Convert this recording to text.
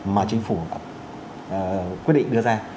mà chính phủ quyết định đưa ra